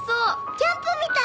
キャンプみたい！